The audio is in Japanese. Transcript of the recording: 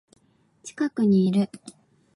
近くにいる